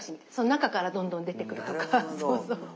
中からどんどん出てくるとか。